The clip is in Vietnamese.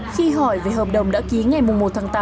khi hỏi về hợp đồng đã ký ngày một tháng tám